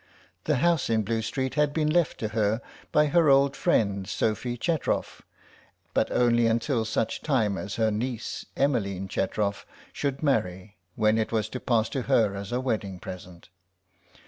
The house in Blue Street had been left to her by her old friend Sophie Chetrof, but only until such time as her niece Emmeline Chetrof should marry, when it was to pass to her as a wedding present.